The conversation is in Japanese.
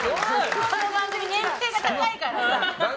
この番組、年齢が高いからさ。